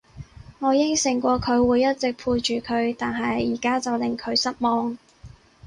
我應承過佢會一直陪住佢，但係而家就令佢失望